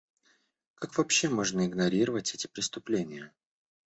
Как вообще можно игнорировать эти преступления?